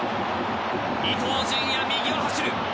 伊東純也、右を走る。